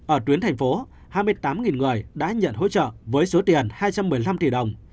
ở tuyến thành phố hai mươi tám người đã nhận hỗ trợ với số tiền hai trăm một mươi năm tỷ đồng